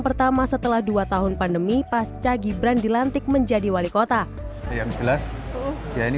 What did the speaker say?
pertama setelah dua tahun pandemi pasca gibran dilantik menjadi wali kota yang jelas ya ini